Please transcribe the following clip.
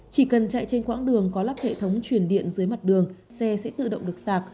chỉ cần chạy trên quãng đường có lắp hệ thống truyền điện dưới mặt đường xe sẽ tự động được sạc